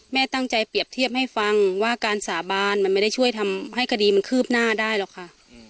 แม่ตั้งใจเปรียบเทียบให้ฟังว่าการสาบานมันไม่ได้ช่วยทำให้คดีมันคืบหน้าได้หรอกค่ะ